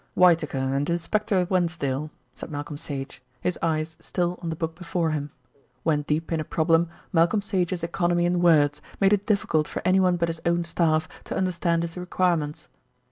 "Whitaker and Inspector Wensdale," said Malcolm Sage, his eyes still on the book before him. When deep in a problem Malcolm Sage's economy in words made it difficult for anyone but his own staff to understand his requirements.